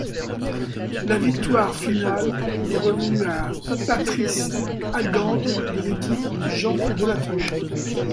La victoire finale est revenue à Patrice Halgand de l'équipe Jean Delatour.